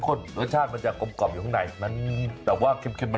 ข้างบัวแห่งสันยินดีต้อนรับทุกท่านนะครับ